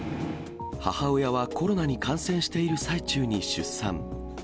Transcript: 母親はコロナに感染している最中に出産。